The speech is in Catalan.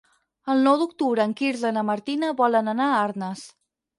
El nou d'octubre en Quirze i na Martina volen anar a Arnes.